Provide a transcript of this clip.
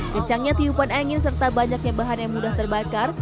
kencangnya tiupan angin serta banyaknya bahan yang mudah terbakar